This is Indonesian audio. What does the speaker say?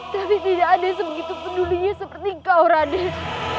tapi tidak ada sebegitu pedulinya seperti kau raden